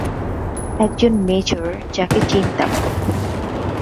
একজন মেজর যাকে চিনতাম।